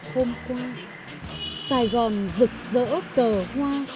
hôm qua sài gòn rực rỡ tờ hoa